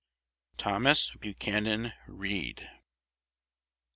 THOMAS BUCHANAN READ.